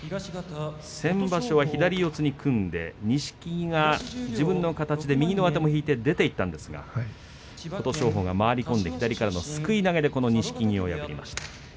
先場所は左四つに組んで錦木が自分の形になって右の上手を引いて出ていったんですが琴勝峰がすくい投げで錦木を破りました。